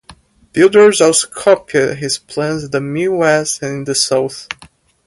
Builders also copied his plans in the Midwest and in the South.